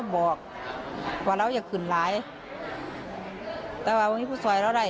บอกว่าเราอย่าขึ้นหลายแต่ว่าวันนี้ผู้สอยเราได้